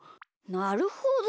なるほど。